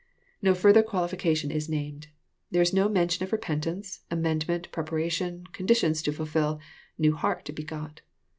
No farther qualification is named. There is no mention of repentance, amendment, preparation, conditions to fulfil, new heart to be got.